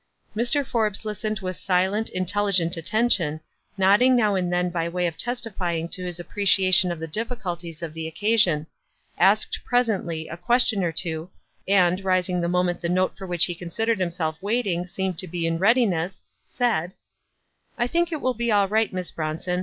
Mr. Forbes listened with silent, intelligent attention, nodding now and then by way of testifying to his appreciation of the difficulties of the occasion ; asked, presently , a question or two, and rising the moment the note for which he considered himself waiting seemed to be in readiness, said, — "I think it will be all right, Miss Bronson.